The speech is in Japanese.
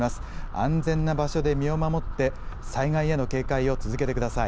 安全な場所で身を守って、災害への警戒を続けてください。